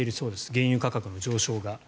原油価格の上昇が。